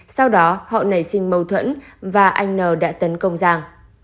sau đó họ nảy sinh mâu thuẫn và anh n đã tấn công giang